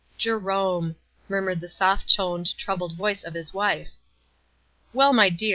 "Jerome!" murmured the soft toned, trou bled voice of his wife. " Well, my dear.